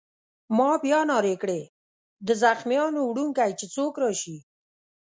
ما بیا نارې کړې: د زخمیانو وړونکی! چې څوک راشي.